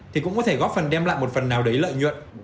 thì cũng có thể góp phần đem lại một phần nào đấy lợi nhuận